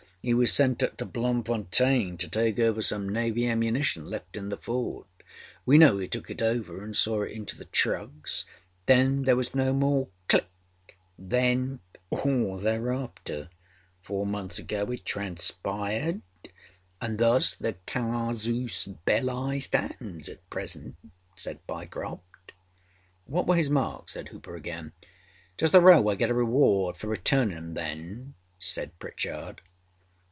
He was sent up to Bloemfontein to take over some Navy ammunition left in the fort. We know he took it over and saw it into the trucks. Then there was no more Clickâthen or thereafter. Four months ago it transpired, and thus the casus belli stands at present,â said Pyecroft. âWhat were his marks?â said Hooper again. âDoes the Railway get a reward for returninâ âem, then?â said Pritchard.